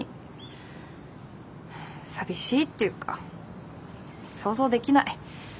寂しいっていうか想像できない。